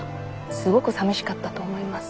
すごくさみしかったと思います。